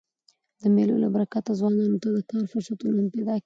د مېلو له برکته ځوانانو ته د کار فرصتونه هم پیدا کېږي.